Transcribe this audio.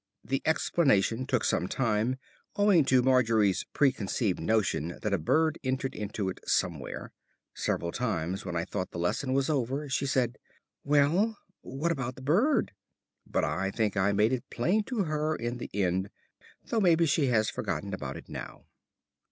The explanation took some time, owing to Margery's pre conceived idea that a bird entered into it somewhere; several times, when I thought the lesson was over, she said, "Well, what about the bird?" But I think I made it plain to her in the end, though maybe she has forgotten about it now.